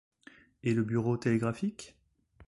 et le bureau télégraphique ?